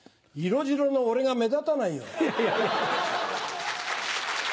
色白の俺が目立たないよ。